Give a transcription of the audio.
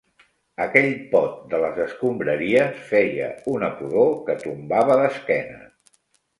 Aquell pot de les escombraries feia una pudor que tombava d'esquena.